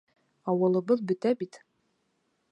Ауылыбыҙ бөтә бит.